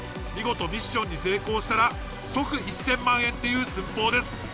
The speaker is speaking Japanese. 見事ミッションに成功したら即１０００万円っていう寸法です。